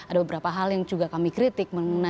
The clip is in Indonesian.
ada beberapa hal yang juga kami kritik